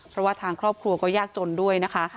เพราะว่าทางครอบครัวก็ยากจนด้วยนะคะ